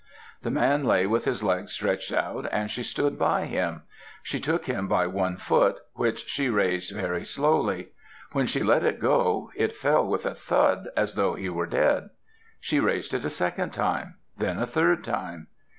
The man lay with his legs stretched out, and she stood by him. She took him by one foot, which she raised very slowly. When she let it go, it fell with a thud as though he were dead. She raised it a second time; then a third time.